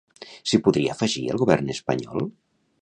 S'hi podria afegir el govern espanyol?